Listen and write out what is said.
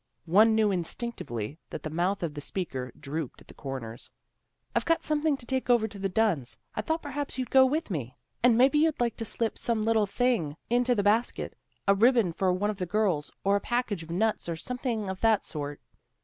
One knew instinctively that the mouth of the speaker drooped at the corners. " I've got something to take over to the Dunns. I thought perhaps you'd go with me. And maybe you'd like to slip some little thing into the basket, a ribbon for one of the girls, or a package of nuts or something of that sort."